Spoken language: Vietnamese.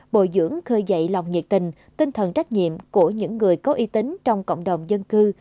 bồi dưỡng khơi dậy lòng nhiệt tình tinh thần trách nhiệm của những người có y tín trong cộng đồng dân cư